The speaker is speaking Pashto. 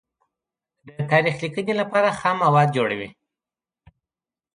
د تاریخ لیکنې لپاره خام مواد جوړوي.